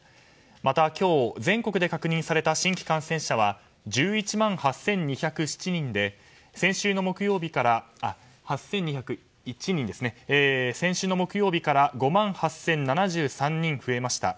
また、今日全国で確認された新規感染者は１１万８２０１人で先週の木曜日から５万８０７３人増えました。